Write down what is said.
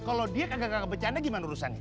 kalau dia kagak kagak bercanda gimana urusannya